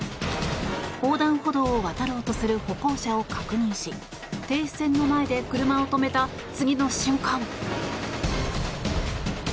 横断歩道を渡ろうとする歩行者を確認し停止線の前で車を止めた次の瞬間。